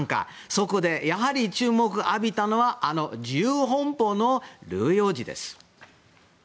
そこでやはり、注目を浴びたのはあの自由奔放のルイ王子です。